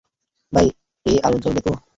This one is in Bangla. ভাই, এই আলো জ্বলবে তো?